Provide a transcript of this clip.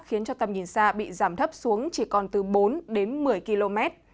khiến cho tầm nhìn xa bị giảm thấp xuống chỉ còn từ bốn đến một mươi km